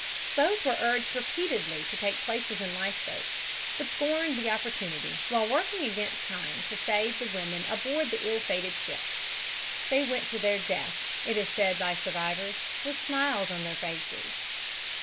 Both were urged repeatedly to take places in life boats, but scorned the opportunity, while working against time to save the women aboard the ill fated ship. They went to their death, it is said by survivors, with smiles on their faces.